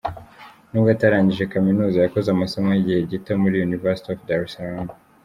Nubwo atarangije Kaminuza, yakoze amasomo y’igihe gito muri University of Dar es Salaam.